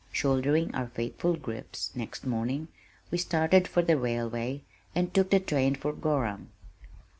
Shouldering our faithful "grips" next morning, we started for the railway and took the train for Gorham.